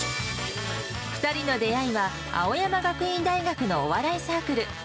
２人の出会いは、青山学院大学のお笑いサークル。